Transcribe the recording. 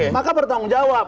maka bertanggung jawab